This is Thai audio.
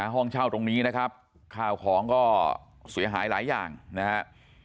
ห้องเช่าตรงนี้นะครับข้าวของก็เสียหายหลายอย่างนะครับ